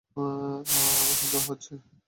আমার সন্দেহ হচ্ছে।